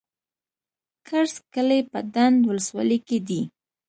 کرز کلی په ډنډ ولسوالۍ کي دی.